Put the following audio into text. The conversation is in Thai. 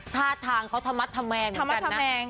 ท่าทางเขาธมัติธแมงเหมือนกันนะธมัติธแมง